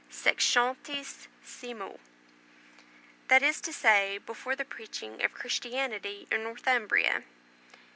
sexcentissimo." That is to say, before the preaching of Christianity in Northumbria.